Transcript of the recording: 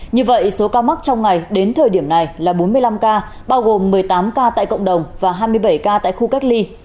như vậy số ca mắc trong ngày đến thời điểm này là bốn mươi năm ca bao gồm một mươi tám ca tại cộng đồng và hai mươi bảy ca tại khu cách ly